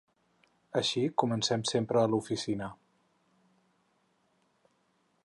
Així comencem sempre a l'oficina.